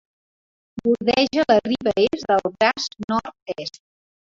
Bordeja la riba est del Braç Nord-est.